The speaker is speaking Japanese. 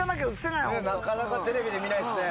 なかなかテレビで見ないですね。